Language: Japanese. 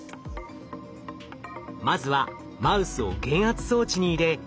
まずはマウスを減圧装置に入れ